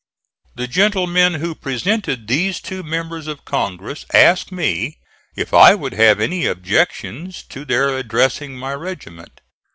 The gentlemen who presented these two members of Congress asked me if I would have any objections to their addressing my regiment.